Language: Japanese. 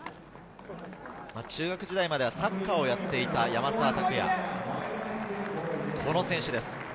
中学時代まではサッカーをやっていた山沢拓也、この選手です。